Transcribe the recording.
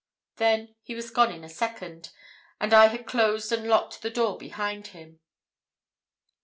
Then he was gone in a second, and I had closed and locked the door behind him.